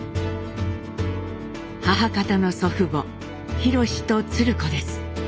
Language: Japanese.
母方の祖父母廣と鶴子です。